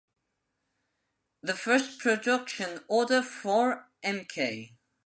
The first production order for Mk.